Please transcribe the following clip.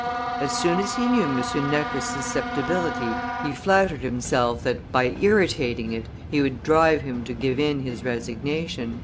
As soon as he knew M. Necker's susceptibility he flattered himself that, by irritating it, he would drive him to give in his resignation."